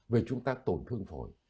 về chúng ta tổn thương phổi